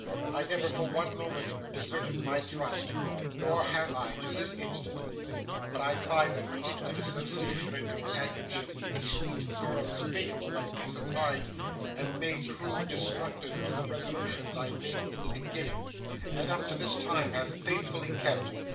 I never, for one moment, deserted my trust, nor have I to this instant. But I find that constant association and companionship with this sweet girl is fatal to my peace of mind, and may prove destructive to the resolutions I made in the beginning, and up to this time have faithfully kept.